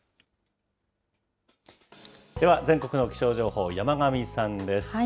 では全国の気象情報、山神さんです。